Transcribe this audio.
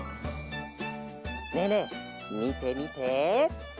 ねえねえみてみて。